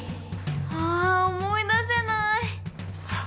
あ思い出せない！